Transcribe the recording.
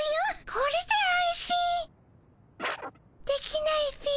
これで安心できないっピィ。